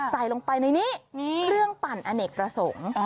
ใส่ลงไปในนี้เครื่องปั่นอเนกประสงค์